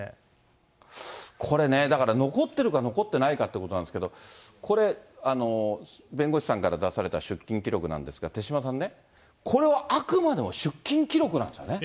これね、だから残っているか残ってないかということなんですけど、これ、弁護士さんから出された出金記録なんですが、手嶋さんね、これはあくまでも出金記録なんですよね。